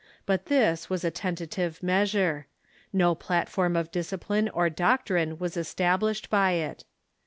But this was a tenta tive measure. No platform of discipline or doctrine was estab lished by it.